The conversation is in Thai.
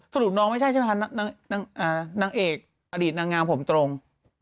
สรุปน้องไม่ใช่ใช่ไหมคะนางเอกอดีตนางงามผมตรง